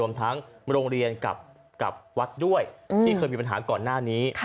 รวมทั้งโรงเรียนกับวัดด้วยที่เคยมีปัญหาก่อนหน้านี้